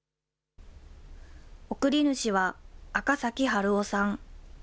送り主は、赤崎春雄さん。